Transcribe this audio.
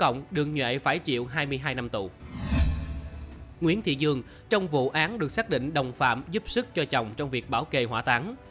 nguyễn thị dương trong vụ án được xác định đồng phạm giúp sức cho chồng trong việc bảo kê hỏa táng